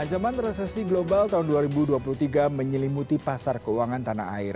ancaman resesi global tahun dua ribu dua puluh tiga menyelimuti pasar keuangan tanah air